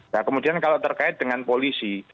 nah kemudian kalau terkait dengan polisi